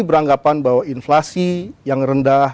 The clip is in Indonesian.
beranggapan bahwa inflasi yang rendah